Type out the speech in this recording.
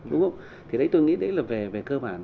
đúng không thì đấy tôi nghĩ đấy là về cơ bản